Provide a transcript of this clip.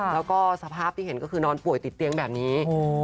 แล้วก็สภาพที่เห็นก็คือนอนป่วยติดเตียงแบบนี้